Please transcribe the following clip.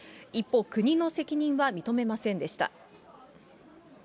一方、国の責任は認めませんでした。